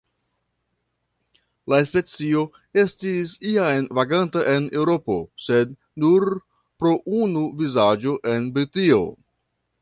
La specio estis iam vaganto en Eŭropo, sed nur pro unu vidaĵo en Britio.